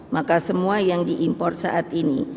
maka semua yang diimport saat ini